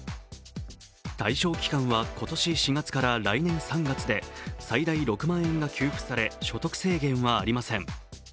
対象期間は今年４月から来年３月で最大６万円が給付され、所得制限はありません。